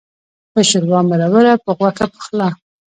په ښوروا مروره، په غوښه پخلا.